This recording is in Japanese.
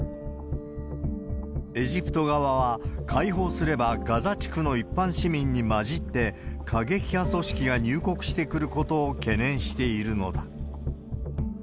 エジプト側は、開放すればガザ地区の一般市民に交じって、過激派組織が入国してくることを懸念しているのだ。